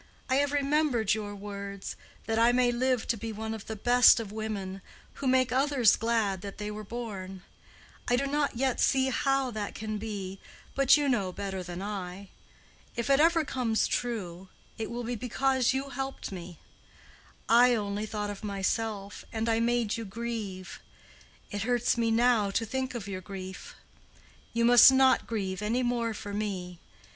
I have remembered your words—that I may live to be one of the best of women, who make others glad that they were born. I do not yet see how that can be, but you know better than I. If it ever comes true, it will be because you helped me. I only thought of myself, and I made you grieve. It hurts me now to think of your grief. You must not grieve any more for me.